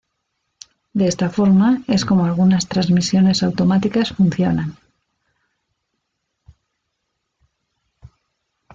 De esta forma es como algunas transmisiones automáticas funcionan.